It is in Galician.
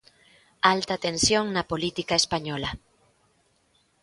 Alta tensión na política española.